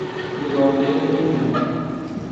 De maneira nenhuma